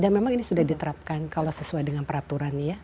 dan memang ini sudah diterapkan kalau sesuai dengan peraturan ya